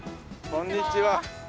こんにちは。